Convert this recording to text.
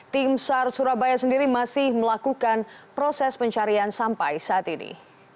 tim sar surabaya sendiri masih melakukan proses pencarian sampai saat ini